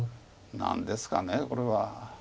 何ですかこれは。